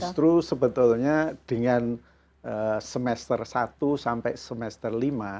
justru sebetulnya dengan semester satu sampai semester lima